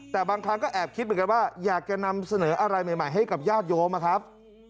แต่บางครั้งก็แอบคิดเหมือนกันว่าอยากจะนำเสนออะไรใหม่ให้กับญาติโยมนะครับ